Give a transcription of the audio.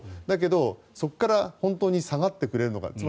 だけど、そこから本当に下がってくれるのか。